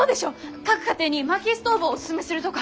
各家庭に薪ストーブをおすすめするとか！